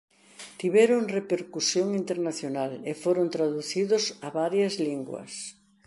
Tiveron repercusión internacional e foron traducidos a varias linguas.